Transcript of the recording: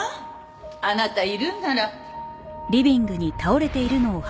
あなたいるんなら。